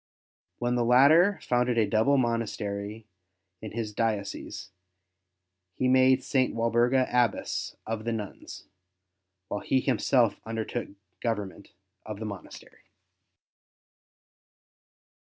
When the latter founded a double monastery in his diocese, he made St. Walburga Abbess of the nuns, while he himself undertook the govern ment of the monastery.